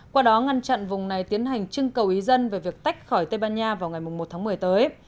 qua đó ngăn chặn vùng này tiến hành trưng cầu ý dân về việc tách khỏi tây ban nha vào ngày một tháng một mươi tới